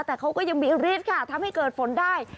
แต่เขาก็ยังมีฤทธิ์ค่ะทำให้เกิดฝนได้